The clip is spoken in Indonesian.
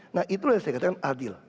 nah itulah yang saya katakan adil